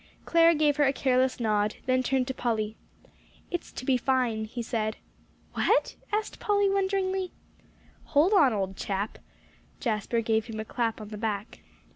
Clare gave her a careless nod, then turned to Polly. "It's to be fine," he said. "What?" asked Polly wonderingly. "Hold on, old chap." Jasper gave him a clap on the back.